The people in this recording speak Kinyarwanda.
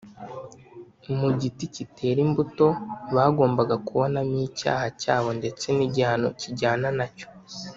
mu giti kitera imbuto, bagombaga kubonamo icyaha cyabo ndetse n’igihano kijyana nacyo